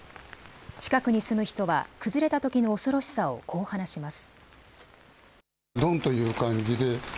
近くに住む人は崩れたときの恐ろしさを、こう話します。